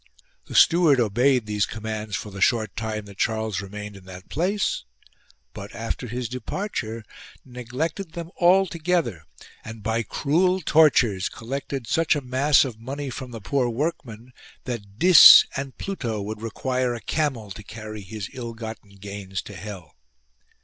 The steward obeyed these com mands for the short time that Charles remained in that place ; but after his departure neglected them altogether, and by cruel tortures collected such a mass of money from the poor workmen that Dis and Pluto would require a camel to carry his ill gotten gains to hell.